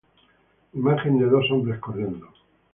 Imagen de dos hombres corriendo.